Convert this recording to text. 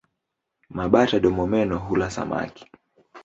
Mabata-domomeno hula samaki.